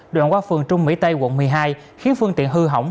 đoạn qua phường trung mỹ tây quận một mươi hai khiến phương tiện hư hỏng